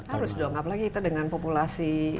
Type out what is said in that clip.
harus dong apalagi kita dengan populasi yang terbesar